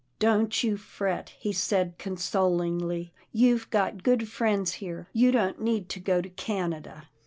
" Don't you fret," he said consoHngly, " you've got good friends here. You don't need to go to Canada."